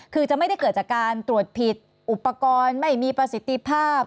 คือจะไม่ได้เกิดจากการตรวจผิดอุปกรณ์ไม่มีประสิทธิภาพ